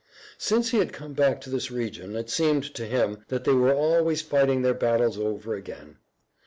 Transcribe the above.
Since he had come back to this region it seemed to him that they were always fighting their battles over again.